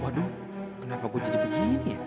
waduh kenapa bu jadi begini